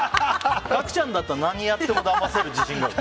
角ちゃんだったら何やってもだませる自信がある。